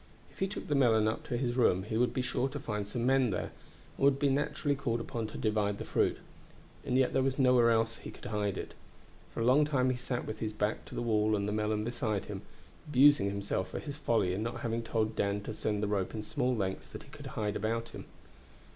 If he took the melon up to his room he would be sure to find some men there, and would be naturally called upon to divide the fruit; and yet there was nowhere else he could hide it. For a long time he sat with his back to the wall and the melon beside him, abusing himself for his folly in not having told Dan to send the rope in small lengths that he could hide about him.